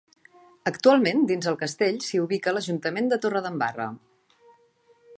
Actualment, dins del castell, s'hi ubica l'Ajuntament de Torredembarra.